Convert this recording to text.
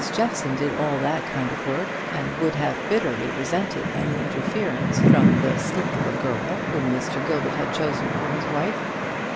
Jeffson did all that kind of work, and would have bitterly resented any interference from the "slip of a girl" whom Mr. Gilbert had chosen for his wife.